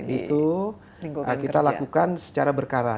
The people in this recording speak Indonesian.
ya itu kita lakukan secara berkala